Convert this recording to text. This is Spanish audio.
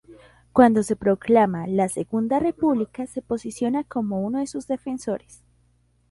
Cuando se proclama la Segunda República se posiciona como uno de sus defensores.